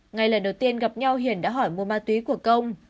ngày lần đầu tiên gặp nhau hiền đã hỏi mua ma túy của công